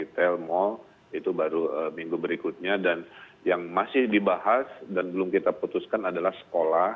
retail mall itu baru minggu berikutnya dan yang masih dibahas dan belum kita putuskan adalah sekolah